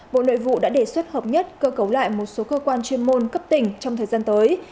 bộ nội vụ đã đề xuất hợp nhất cơ cấu lại một số cơ quan chuyên môn cấp tỉnh trong thời gian tới